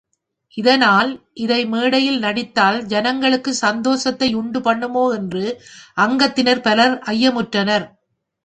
இதனால், இதை மேடையில் நடித்தால் ஜனங்களுக்குச் சந்தோஷத்தையுண்டு பண்ணுமோ என்று எங்கள் அங்கத்தினர் பலர் ஐயமுற்றனர்.